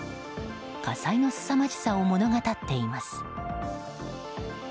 火災のすさまじさを物語っています。